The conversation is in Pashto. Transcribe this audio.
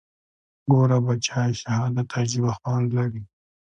ګوره بچى شهادت عجيبه خوند لري.